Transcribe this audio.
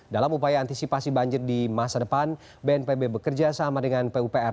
dalam upaya antisipasi banjir di masa depan bnpb bekerja sama dengan pupr